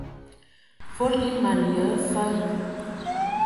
Fol e man yə afag.